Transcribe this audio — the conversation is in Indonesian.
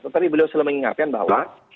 tetapi beliau selalu mengingatkan bahwa